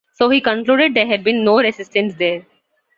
So he concluded there had been no resistance there.